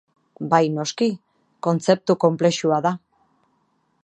Bai noski, kontzeptu konplexua da.